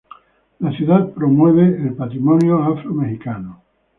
La ciudad promueve el patrimonio afro-mexicano.